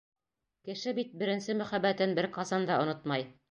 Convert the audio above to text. Кеше бит беренсе мөхәббәтен бер ҡасан да онотмай.